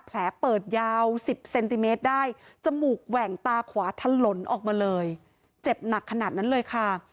แผลเปิดยาว๑๐เซนติเมตรได้จมูกแหว่งตาขวาทะลนออกมาเลยเจ็บหนักขนาดนั้นเลยค่ะ